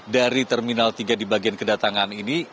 dari terminal tiga di bagian kedatangan ini